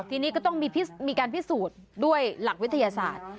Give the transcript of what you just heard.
ทีนี้ก็ต้องมีการพิสูจน์ด้วยหลักวิทยาศาสตร์